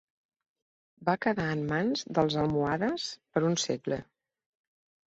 Va quedar en mans dels almohades per un segle.